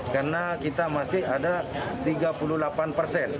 karena kita masih ada tiga puluh delapan persen